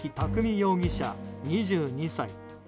容疑者、２２歳。